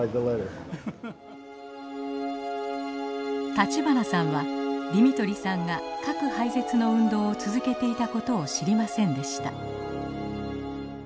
立花さんはディミトリさんが核廃絶の運動を続けていた事を知りませんでした。